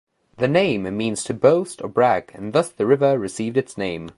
The name means to boast or brag, and thus the river received its name.